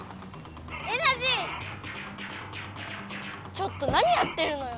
ちょっと何やってるのよ！